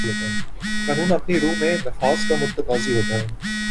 قانون اپنی روح میں نفاذ کا متقاضی ہوتا ہے